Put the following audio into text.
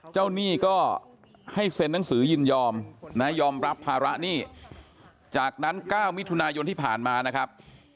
หนี้ก็ให้เซ็นหนังสือยินยอมนะยอมรับภาระหนี้จากนั้น๙มิถุนายนที่ผ่านมานะครับ